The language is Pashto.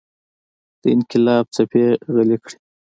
د انقلاب څپې غلې کړي.